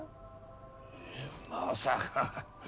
まさか。